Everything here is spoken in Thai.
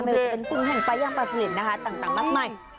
ไม่ว่าจะเป็นกุ้งแห้งปลาย่างปลาสลิดนะคะต่างมากมาย